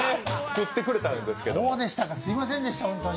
そうでしたか、すみませんでした。